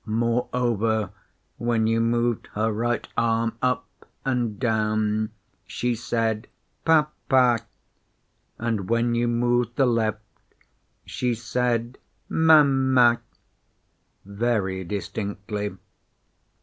Moreover, when you moved her right arm up and down she said "Pa pa," and when you moved the left she said "Ma ma," very distinctly.